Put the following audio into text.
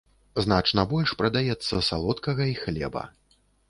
Значна больш прадаецца салодкага і хлеба.